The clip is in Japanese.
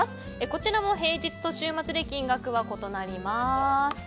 こちらも平日と週末で金額は異なります。